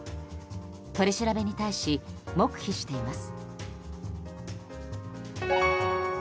取り調べに対し黙秘しています。